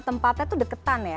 tempat tempatnya tuh deketan ya